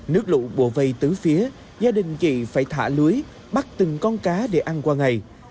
nước lũ bộ vây từ phía gia đình chị phải thả lưới bắt từng con cá để ăn qua ngày